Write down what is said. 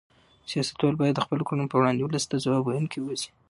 سیاستوال باید د خپلو کړنو په وړاندې ولس ته ځواب ویونکي اوسي.